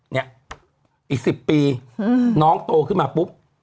เนี่ยอีก๑๐ปีน้องโตขึ้นมาปุ๊บ